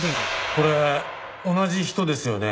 これ同じ人ですよね。